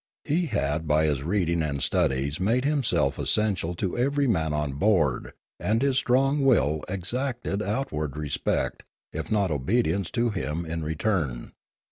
He had by his reading and studies made himself essential to every man on board, and his strong will exacted outward respect, if not obedience to him, in return.